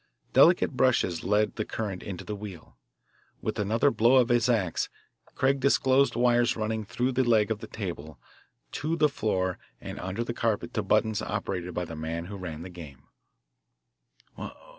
Delicate brushes led the current into the wheel. With another blow of his axe, Craig disclosed wires running down through the leg of the table to the floor and under the carpet to buttons operated by the man who ran the game.